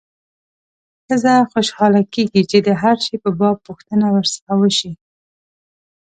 ښځه خوشاله کېږي چې د هر شي په باب پوښتنه ورڅخه وشي.